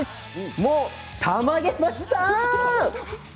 もうたまげました！